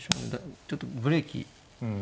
ちょっとブレーキ。